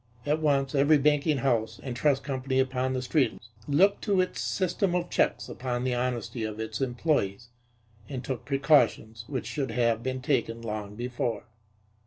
At once every banking house and trust company upon the Street looked to its system of checks upon the honesty of its employees, and took precautions which should have been taken long before.